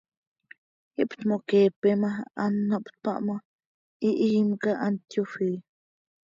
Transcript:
Ihptmoqueepe ma, ano hptpah ma, hihiim cah hant yofii.